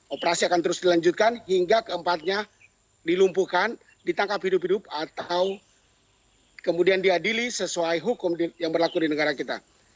operasi akan terus dilanjutkan hingga keempatnya dilumpuhkan ditangkap hidup hidup atau kemudian diadili sesuai hukum yang berhasil